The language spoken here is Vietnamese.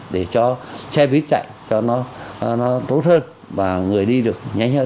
để cho che bít chạy cho nó tốt hơn và người đi được